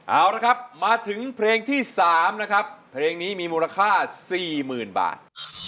เอาละครับมาถึงเพลงที่๓นะครับเพลงนี้มีมูลค่า๔๐๐๐บาท